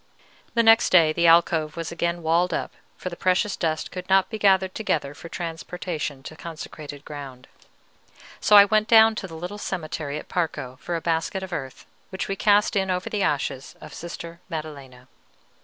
The next day the alcove was again walled up, for the precious dust could not be gathered together for transportation to consecrated ground; so I went down to the little cemetery at Parco for a basket of earth, which we cast in over the ashes of Sister Maddelena.